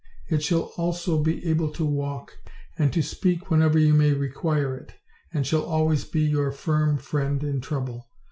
It shall also be able to walk and to speak whenever you may require it, and shall always be your firm friend in trouble.